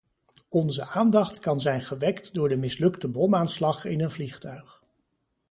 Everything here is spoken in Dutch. Onze aandacht kan zijn gewekt door de mislukte bomaanslag in een vliegtuig.